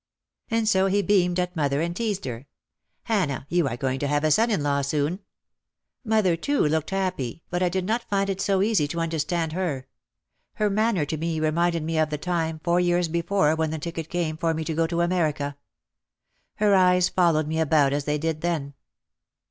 And so he beamed at mother and teased her. "Hanah, you are going to have a son in law soon." Mother too looked happy but I did not find it so easy to under stand her. Her manner to me reminded me of the time, four years before, when the ticket came for me to go to America. Her eyes followed me about as they did then.